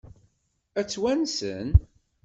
Ad t-wansen?